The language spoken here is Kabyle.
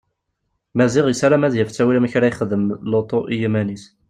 Maziɣ yessaram ad yaf ttawil amek ara ixdem lutu u yiman-is.